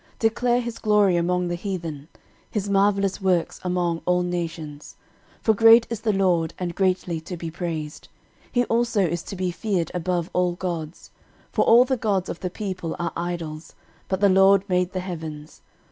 13:016:024 Declare his glory among the heathen; his marvellous works among all nations. 13:016:025 For great is the LORD, and greatly to be praised: he also is to be feared above all gods. 13:016:026 For all the gods of the people are idols: but the LORD made the heavens.